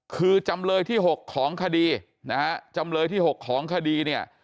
คือจำเลยที่๖ของคดีนะฮะจำเลยที่๖ของคดีเนี่ย